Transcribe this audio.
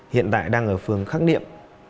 hiện tại đang ở phường khắc niệm